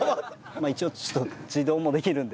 まあ一応ちょっと自動もできるんで。